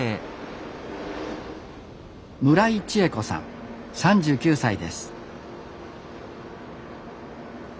村井知恵子さん３９歳です